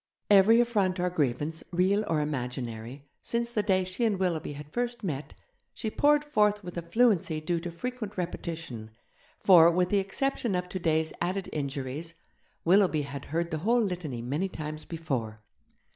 Every affront or grievance, real or imaginary, since the day she and Willoughby had first met, she poured forth with a fluency due to frequent repetition, for, with the exception of today's added injuries, Willoughby had heard the whole litany many times before.